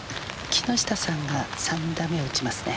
木下さんが３打目を打ちますね。